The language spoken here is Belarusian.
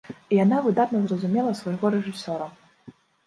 І яна выдатна зразумела свайго рэжысёра.